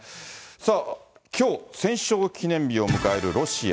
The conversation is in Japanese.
さあ、きょう、戦勝記念日を迎えるロシア。